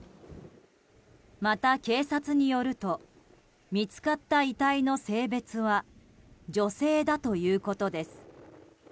また、警察によると見つかった遺体の性別は女性だということです。